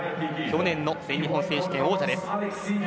去年の全日本選手権王者です。